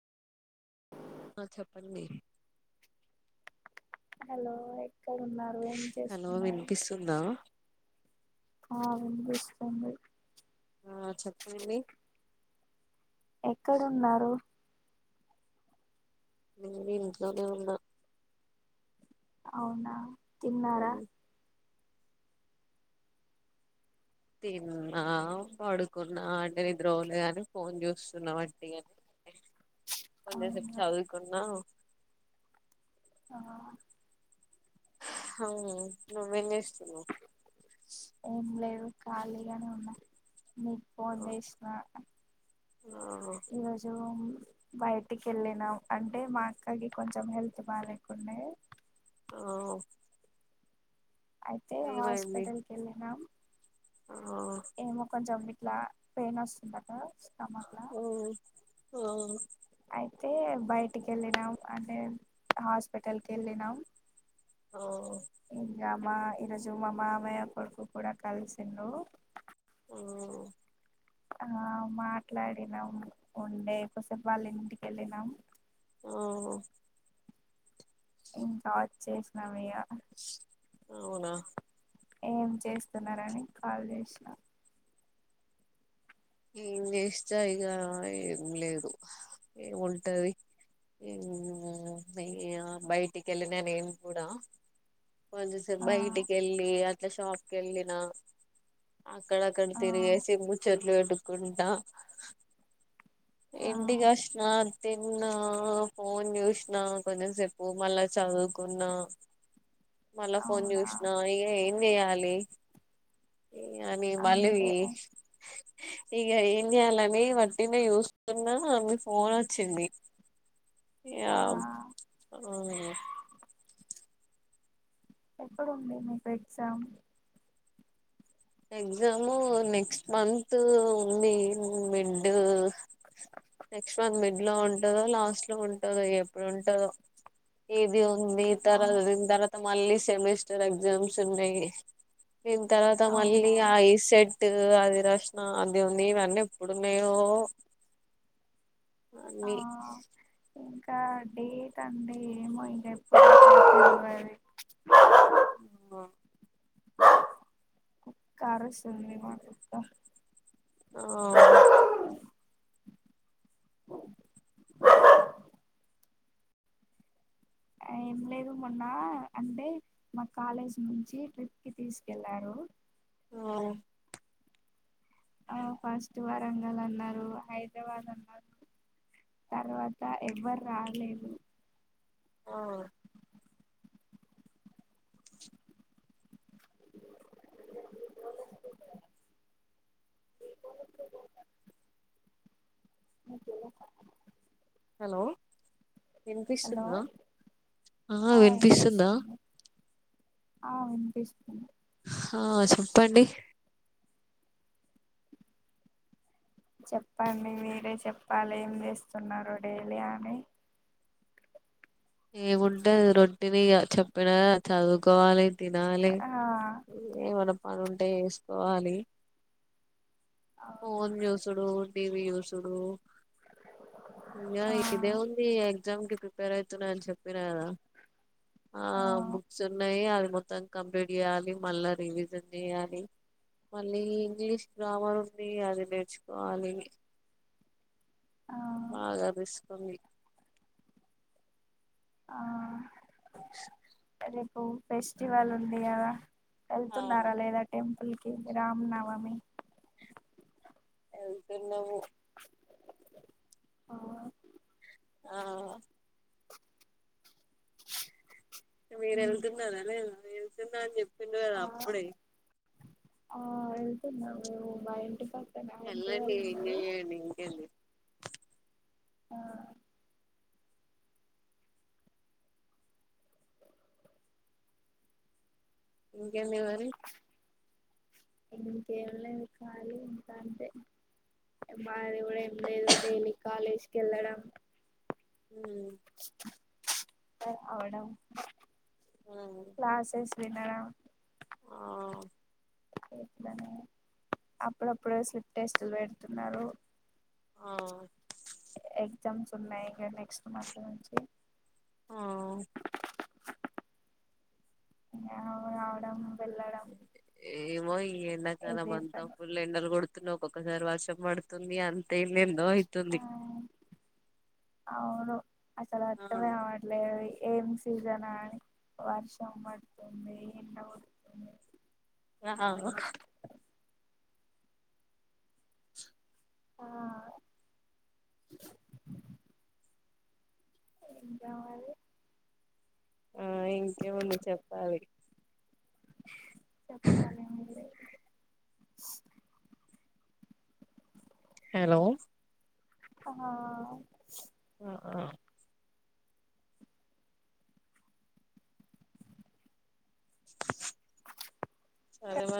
ఆ చెప్పండి హలో ఇక్కడ ఉన్నారు ఏం హలో చేస్తున్నారు వినిపిస్తుందా ఆ వినిపిస్తుంది ఆ చెప్పండి ఎక్కడు ఉన్నారు నేను ఇంట్లోనే ఉన్నా అవునా తిన్నారా తిన్నా పడుకున్నా అంటే నిద్రోలు గాని ఫోన్ చూస్తున్నా అట్ే అని కొంచెం సప్ అవునా చదువుకున్నా ఆ హ నువేం చేస్తున్నావు ఏం లేదు ఖాళీగానే ఉన్నా నిక్ ఫోన్ చేసిన ఆ ఈరోజు బయటికి వెళ్ళినాం అంటే మా అక్కకి కొంచెం హెల్త్ బాలేేకుంండే ఆ ఓ అయితే హాస్పిటల్ కి వెళ్ళినాం ఆహ్ ఏమో కొంచెం ఇట్లా పెయిన్ వస్తుందట స్టమక్ లా అఓ ఓ ఓ అయితే బయటికి వెళ్ళినాం అంటే హాస్పిటల్ కే ళ్ళినాం ఓ అ మా ఈరోజు మా మావయ్య కొడుకు కూడా కలిసిండు హ్మ్మ్ ఆ మాట్లాడినాం ఉండే కోసెప్ వాళ్ళ ఇంటికి వెళ్ళినాం ఉహ్ ఇంకా వచ్చేసినం మీగా అవునా ఏం చేస్తున్నారని కాల్ చేసినా. మ్మ్ ఏం చేస్తా ఇగా ఏం లేదు. ఏముంటది నే బయటికెళ్ళిన నేను కూడా కొంచెంసేపు ఆ బయటికెళ్ళి అట్లా షాప్ కెళ్ళినా, అక్కడక్కడ ఆ తిరిగేసి ముచ్చట్లు పెట్టు కుంటా ఆ ఇంటికచ్చినాం తిన్నా ఫోన్ చూసిన కొంచెంసేపు మల్ల చదువుకున్నా మల్ల ఫోన్ అవునా చూస్నా ఇగ ఏ వెయ్యాలి అని మల్లి వీ అంతే ఇగ ఏం చేయాలని వట్టినే చూస్తున్నా మీ ఫోనొచ్చింది. ఇగా ఆ ఓ ఎప్పుడుంది మీకు ఎగ్జామ్? ఎగ్జాము నెక్స్ట్ మంతు ఉంది మిడ్డ్ నెక్స్ట్ మంత్ మిడ్ ఇలా ఉంటదో లాస్ట్ లో ఉంటదో ఎప్పుడుంటదో ఏది మే ఆ తర జూన్ తర్వాత మళ్ళీ సెమిస్టర్ ఎగ్జామ్స్ ఉన్నాయి. ఇంకా, త మళ్ళీ అవునా ఐ సెట్ ట్టు అవి రాశినా అది ఉంది ఇవన్నీ ఎప్పుడున్నయో అన్ని టా డే తండే ఏమో ఇంకెప్పు [unintelligible] అ క్క అరుస్తుంది మా కుక్క ఆ ఏం లేదు మొన్న అంటే, మా కాలేజ్ నుంచి ట్రిప్ కి తీసుకెళ్లారు. ఓ ఆ ఫస్ట్ వరంగల్ అన్నారు హైదరాబాద్ అన్నారు తర్వాత ఎవ్వర్ రాలేదు. ఆ హలో హలో వినిపిస్తుందా ఆ వినిపిస్తుందా ఆ వినిపిస్తుంది. హా చెప్పండి. చెప్పండి మీరే చెప్పాలి ఏం చేస్తున్నారో డైలీ అని ఏముంటయ్ రొట్టినిగ చెప్పినా చదువుకోవాలి తినాలె ఆ ఏ మనం పనుంటే చేసుకోవాలి. ఆ ఫోన్ చూసుడు టీవీ చూసుడు ఇయా ఇదే ఉంది ఎగ్జామ్ కి ప్రిపేర్ ఐతున్న అని చెప్పినకదా ఆ బుక్స్ ఉన్నాయి అవి మొత్తం కంప్లీట్ చేయాలి మళ్ళా రివిజన్ చేయాలి మళ్ళీ ఇంగ్లీష్ గ్రామర్ ఉంది అది నేర్చుకోవాలి ఆ బాగా రిస్క్ తోంది ఆ ఇప్పుడు ఫెస్టివల్ ఉంది కదా ఆ వెళ్తున్నారా లేదా టెంపుల్ కి రామ్ నవమి ఎళ్తున్నము ఆ మీరు వెళ్తున్నారా లేదా ఎళ్తున్న నీ చెప్ ప్పిండ్రు కదా ఆ అప్పుడే ఆ ఎళ్తున్నాము మేము మా ఇంటి పక్ ఎళ్లండి ఎంజాయ్ చేయండి ఇంకేంది ఆ ఉ ఇంకేంది మరి ఇంకేం లేదు కాలీ ఇంకా అంటే మాది కూడా ఏం లేదు డైలీ కాలేజ్కి వెళ్ళడం ఉమ్ అవడం ఆ క్లాసెస్ వినడం ఆ అప్పుడప్పుడు స్లిప్ టెస్టులు పెడుతున్నారు ఆ ఆ ఎగ్జామ్స్ ఉన్నాయి ఇక నెక్స్ట్ మంత్ నుంచి ఆ ఇగ రావడం వెళ్ళడం ఏమో ఈ ఎండ కాలం ఇదే అంతా పని ఫుల్ ఎండలు కొడుతు న్నాయి ఒక్కొక్కసారి వార్షం పడుతుంది అంత ఎందేందో ఆ అయితుంది ను అసలు ఆ అర్థమే అవ్వట్లేదు ఏం సీజనా వర్షం పడుతుంది ఎండ కొడుతుంది ఆ [inaudible] ఆ ఇంకా మరి ఆ ఇంకేముంది చెప్పాలి చెప్పాలి ఏమున్నాయి హలో ఆ ఆ ఆ [inaudible] అదే మరి